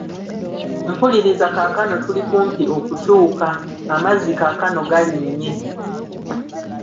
Mpuliriza kaakano tuli kumpi okutuuka; amazzi kaakano galinnye.